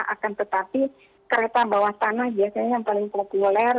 akan tetapi kereta bawah tanah biasanya yang paling populer